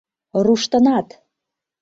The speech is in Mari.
Руштынат!